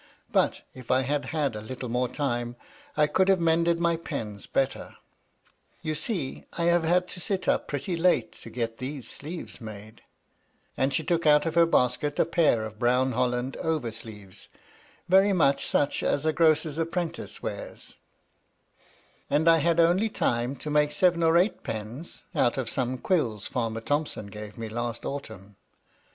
But, if I had had a little more time, I could have mended my pens better. MY LADY LUDLOW. 221 You see, I have had to sit up pretty late to get these sleeves made "— and she took out of her basket a pair of brown hoUand over sleeves, very much such as a grocer's apprentice wears —" and I had only time to make seven or eight pens, out of some quills Farmer Thomson gave me last autumn.